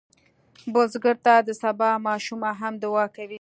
بزګر ته د سبا ماشومه هم دعا کوي